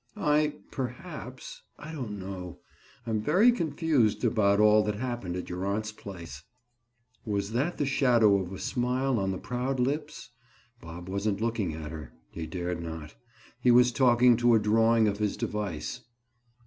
"I—perhaps. I don't know. I'm very confused about all that happened at your aunt's place." Was that the shadow of a smile on the proud lips? Bob wasn't looking at her. He dared not. He was talking to a drawing of his device.